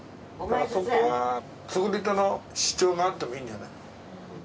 そこは作り手の主張があってもいいんじゃない？